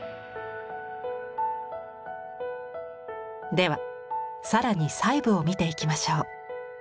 では更に細部を見ていきましょう。